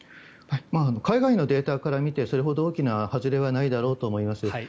海外のデータから見てそれほど大きな外れはないだろうと思います。